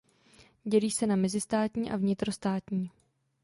Dělí se na mezistátní a vnitrostátní.